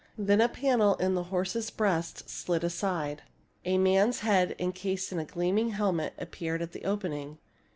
Then a panel in the horse's breast slid aside. A man's head, encased in a gleaming helmet, appeared at the opening.